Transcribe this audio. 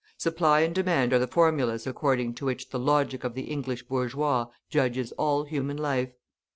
Supply and demand are the formulas according to which the logic of the English bourgeois judges all human life.